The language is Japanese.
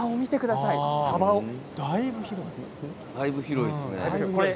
だいぶ広いですね。